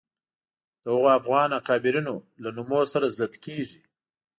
د هغو افغان اکابرینو له نومونو سره ضد کېږي